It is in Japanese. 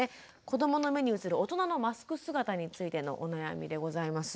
子どもの目に映る大人のマスク姿についてのお悩みでございます。